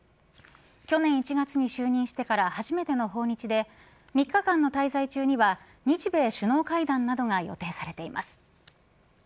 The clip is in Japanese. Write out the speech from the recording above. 去年１月に就任してから初めての訪日で３日間の滞在中には日米首脳会談などが予定されています。